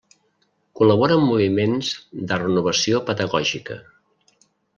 Col·labora amb moviments de renovació pedagògica.